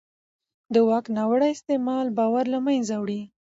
د واک ناوړه استعمال باور له منځه وړي